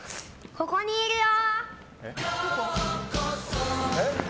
ここにいるよ！